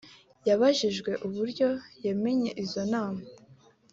Abajijwe uburyo yamenye izo nama